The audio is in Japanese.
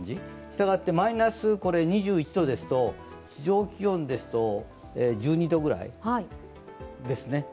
したがってマイナス２１度ですと地上気温ですと１２度くらい。